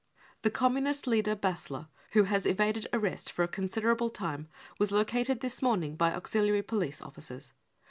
The Communist leader Bassler, who has evaded arrest for a considerable time, was located this morning by auxiliary police officers.